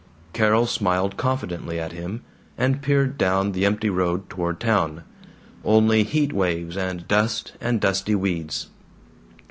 Carol smiled confidently at him, and peered down the empty road toward town. Only heat waves and dust and dusty weeds.